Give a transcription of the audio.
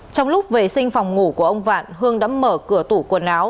trong lúc vệ sinh phòng ngủ của ông vạn hương đã mở cửa tủ quần áo